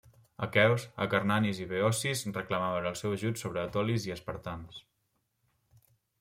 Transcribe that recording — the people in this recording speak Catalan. Aqueus, acarnanis i beocis reclamaven el seu ajut contra els etolis i espartans.